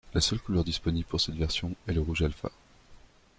La seule couleur disponible pour cette version est le rouge Alfa.